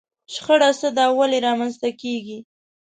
شخړه څه ده او ولې رامنځته کېږي؟